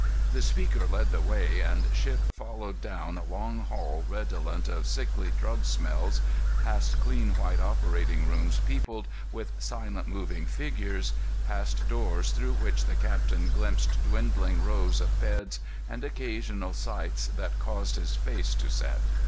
The speaker led the way, and Shipp followed down a long hall redolent of sickly drug smells, past clean white operating rooms peopled with silent moving figures, past doors through which the captain glimpsed dwindling rows of beds and occasional sights that caused his face to set.